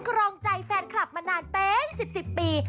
ครองใจแฟนคลับมานานเป็น๑๐ปี